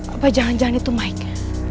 apa jangan jangan itu naik